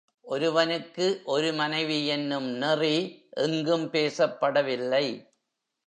ஒருவனுக்கு ஒரு மனைவி என்னும் நெறி எங்கும் பேசப்படவில்லை.